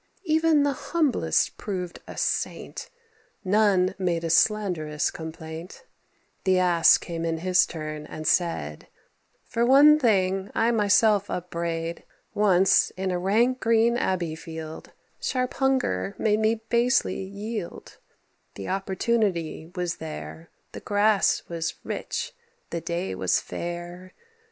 Even the humblest proved a saint: None made a slanderous complaint. The Ass came in his turn, and said, "For one thing I myself upbraid. Once, in a rank green abbey field, Sharp hunger made me basely yield. The opportunity was there; The grass was rich; the day was fair.